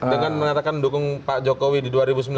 dengan menyatakan mendukung pak jokowi di dua ribu sembilan belas